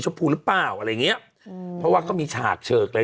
ชพูหรือเปล่าอะไรเงี้ยอืมเพราะว่าก็มีฉาบเฉิกอะไร